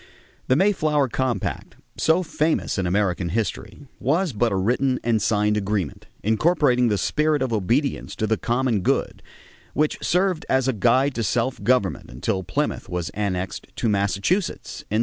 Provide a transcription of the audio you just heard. The Mayflower Compact, so famous in American history, was but a written and signed agreement, incorporating the spirit of obedience to the common good, which served as a guide to self government until Plymouth was annexed to Massachusetts in 1691.